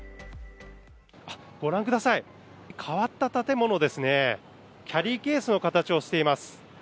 ご覧ください、変わった建物ですね、キャリーケースの形をしています。